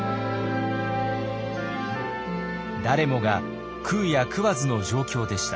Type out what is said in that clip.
誰もが食うや食わずの状況でした。